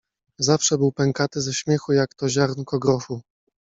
Zawsze był pękaty ze śmiechu jak to ziarnko grochu.